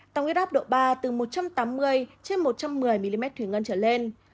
tăng huyết áp độ ba từ một trăm tám mươi trên một trăm một mươi mm thủy ngân trở lên